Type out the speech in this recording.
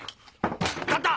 勝った！